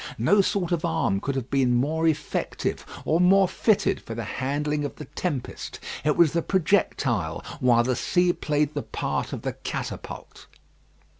No sort of arm could have been more effective, or more fitted for the handling of the tempest. It was the projectile, while the sea played the part of the catapult.